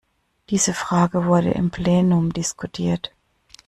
Diese Frage wurde im Plenum diskutiert.